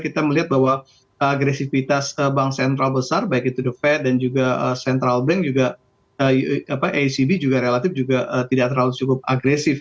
kita melihat bahwa agresivitas bank sentral besar baik itu the fed dan juga central bank juga acb juga relatif juga tidak terlalu cukup agresif